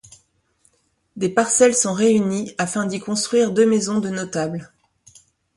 Des parcelles sont réunies afin d’y construire deux maisons de notables.